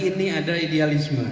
ini adalah idealisme